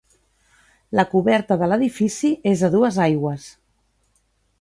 La coberta de l'edifici és a dues aigües.